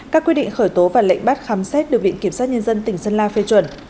các quyết định khởi tố và lệnh bắt khám xét được viện kiểm sát nhân dân tỉnh sơn la phê chuẩn